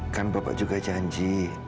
kan bapak juga janji